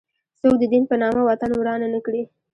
څوک د دین په نامه وطن وران نه کړي.